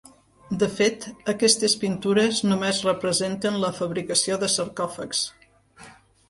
De fet, aquestes pintures només representen la fabricació de sarcòfags.